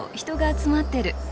人が集まってる。